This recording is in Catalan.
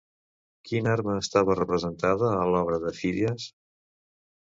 Quina arma estava representada a l'obra de Fídies?